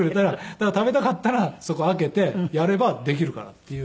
だから食べたかったらそこ開けてやればできるからっていう。